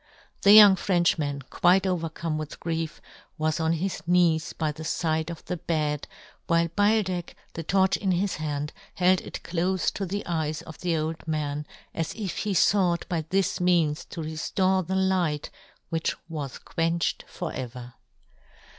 The young Frenchman, quite overcome with grief, was on his knees by the fide of the bed, while Beildech, the torch in his hand, held it clofe to the eyes of the old man, as if he fought by this means to re loo "John Gutenberg. ftore the light which was quenched for ever.